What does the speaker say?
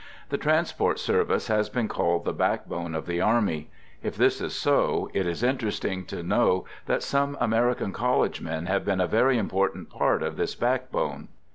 The transport service has been called the backbone of the army. If this is so, it is interesting to know that some American college men have been a very important part of this « backbone.